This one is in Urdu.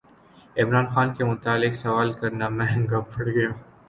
عمران خان کے متعلق سوال کرنا مہنگا پڑگیا